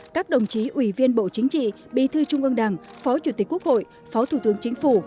các đồng chí ủy viên bộ chính trị bí thư trung ương đảng phó chủ tịch quốc hội phó thủ tướng chính phủ